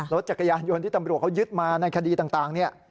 รถจักรยานยนต์ที่ตำรวจเขายึดมาในคดีต่างเนี่ย